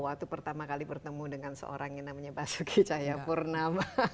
waktu pertama kali bertemu dengan seorang yang namanya basuki cahayapurnama